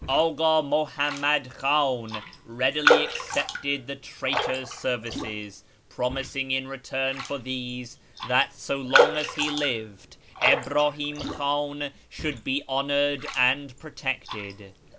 Aka Muhammad Khan readily accepted the traitor's services, promising in return for these that so long as he lived Ibrahim Khan should be honoured and protected.